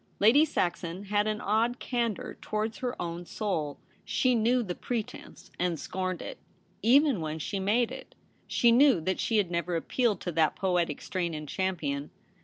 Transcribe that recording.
Lady Saxon had an odd candour towards her own soul. She knew the pre tence and scorned it, even when she made it. She knew that she had never appealed to that poetic strain in Champion.